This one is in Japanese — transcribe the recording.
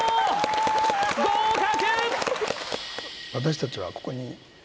合格！